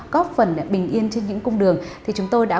có phần bình yên trên những cung đường